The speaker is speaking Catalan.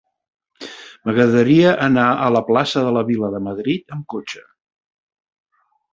M'agradaria anar a la plaça de la Vila de Madrid amb cotxe.